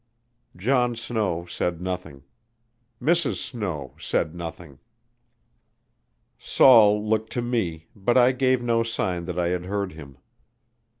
John Snow said nothing; Mrs. Snow said nothing. Saul looked to me, but I gave no sign that I had heard him.